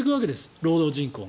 労働人口が。